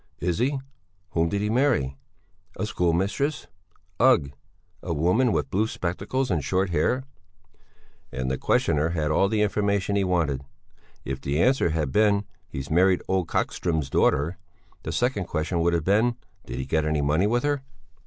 "Is he? Whom did he marry?" "A schoolmistress!" "Ugh! A woman with blue spectacles and short hair!" And the questioner had all the information he wanted. If the answer had been: "He's married old Kochstrom's daughter," the second question would have been: "Did he get any money with her?"